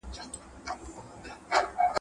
تر اسمانه پر ګلونو اغزي تاو کړه